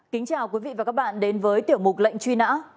kính chào quý vị và các bạn đến với tiểu mục lệnh truy nã